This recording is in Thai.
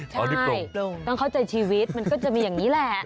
ใช่ต้องเข้าใจชีวิตมันก็จะมีอย่างนี้แหละ